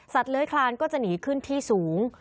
สัตว์เล้ยคลานก็จะหนีขึ้นที่สูง